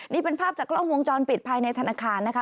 นี่เป็นภาพจากกล้องวงจรปิดภายในธนาคารนะคะ